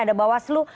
ada bawah selu